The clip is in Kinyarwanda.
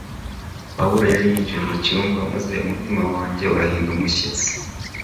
Pawulo yari yinjiye mucyumba maze umutima wanjye urahinda umushyitsi